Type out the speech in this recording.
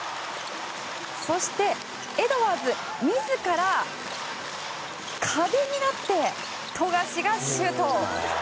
そしてエドワーズ自ら壁になって富樫がシュート。